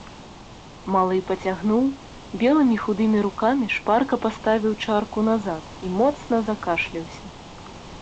Малы пацягнуў, белымі худымі рукамі шпарка паставіў чарку назад і моцна закашляўся.